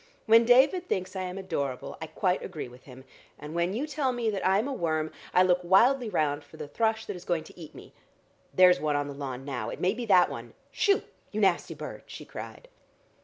When David thinks I am adorable, I quite agree with him, and when you tell me that I am a worm, I look wildly round for the thrush that is going to eat me. There's one on the lawn now; it may be that one. Shoo! you nasty bird!" she cried.